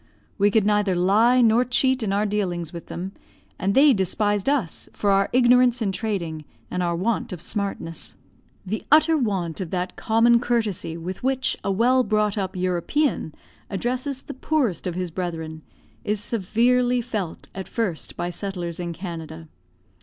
We could neither lie nor cheat in our dealings with them; and they despised us for our ignorance in trading and our want of smartness. The utter want of that common courtesy with which a well brought up European addresses the poorest of his brethren, is severely felt at first by settlers in Canada.